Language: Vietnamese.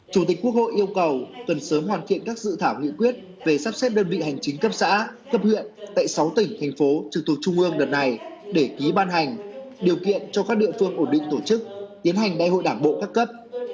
chủ tịch quốc hội yêu cầu cần sớm hoàn thiện các dự thảo nghị quyết về sắp xếp đơn vị hành chính cấp xã cấp huyện tại sáu tỉnh thành phố trực thuộc trung ương đợt này để ký ban hành điều kiện cho các địa phương ổn định tổ chức tiến hành đại hội đảng bộ các cấp